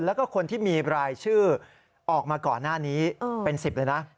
แล้วก็คนที่มีรายชื่อออกมาก่อนหน้านี้เป็น๑๐เลยนะ